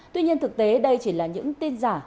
tuy nhiên thực tế đây chỉ là những tin giả